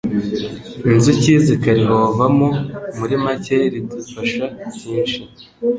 inzuki zikarihovamo muri make ridufasha byinshi,